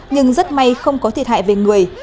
nhưng rất may không có thiệt hại về người